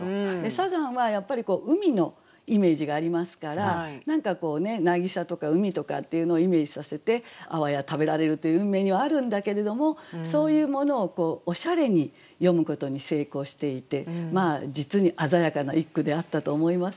サザンはやっぱり海のイメージがありますから何かこうなぎさとか海とかっていうのをイメージさせてあわや食べられるという運命にはあるんだけれどもそういうものをおしゃれに詠むことに成功していて実に鮮やかな一句であったと思います。